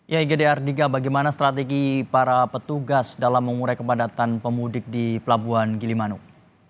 ya igdr tiga bagaimana strategi para petugas dalam mengurai kepadatan pemudik di pelabuhan gili manuk